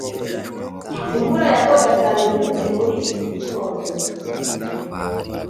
Imvura yagwaga cyane mbyutse muri iki gitondo